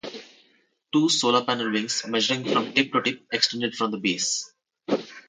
Two solar panel wings measuring from tip to tip extended from the base.